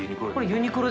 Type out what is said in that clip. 「ユニクロ」